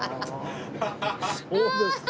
そうですか。